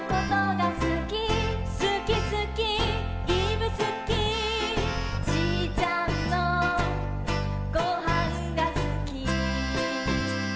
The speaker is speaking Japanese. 「すきすきいぶすき」「じいちゃんのごはんがすき」